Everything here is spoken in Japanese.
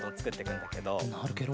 なるケロ。